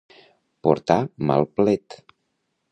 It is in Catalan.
Portar mal plet.